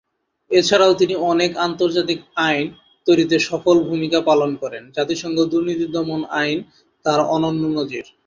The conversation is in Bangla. এছাড়াও তিনি অনেক আন্তর্জাতিক আইন তৈরীতে সফল ভূমিকা পালন করেন; জাতিসংঘ দূর্নীতি দমন আইন তার অনন্য নজির।